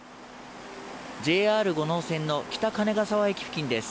ＪＲ五能線の北金ケ沢駅付近です。